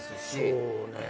そうね。